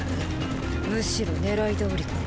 むしろ狙いどおりだ。